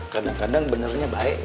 kadang kadang benernya bay